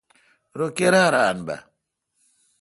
رو کیرا ران بہ۔